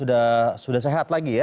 sudah sehat lagi ya